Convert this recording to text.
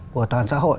của toàn xã hội